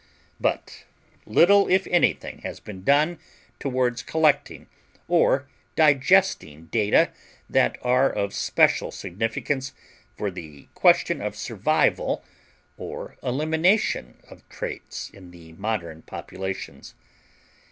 But little if anything has been done towards collecting or digesting data that are of special significance for the question of survival or elimination of traits in the modern populations.